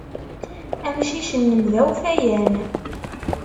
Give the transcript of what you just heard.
Amcic-nnem d awfayan.